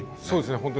そうですね